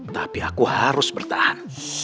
tapi aku harus bertahan